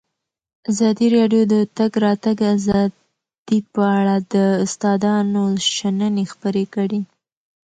ازادي راډیو د د تګ راتګ ازادي په اړه د استادانو شننې خپرې کړي.